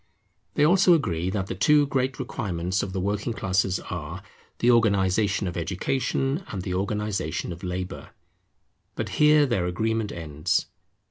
They also agree that the two great requirements of the working classes are, the organization of Education, and the organization of Labour. But here their agreement ends.